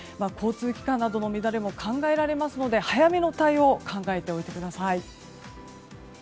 交通機関なども乱れも考えられますので早めの対応を考えておいてください。